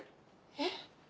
えっ？